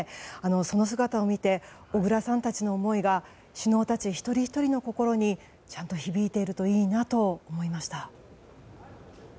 その姿を見て小倉さんたちの思いが首脳たち一人ひとりの心にちゃんと響いているといいなと思いました。